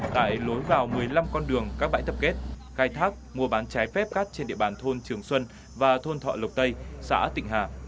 tại lối vào một mươi năm con đường các bãi tập kết khai thác mua bán trái phép cát trên địa bàn thôn trường xuân và thôn thọ lộc tây xã tịnh hà